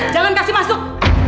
jangan kasih masuk